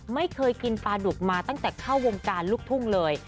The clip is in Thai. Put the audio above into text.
ไม่เคยกินปลาดุกมาตั้งแต่เข้าวงการลูกทุ่งเลย